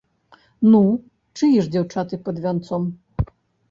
Ну, чые ж дзяўчаты пад вянцом?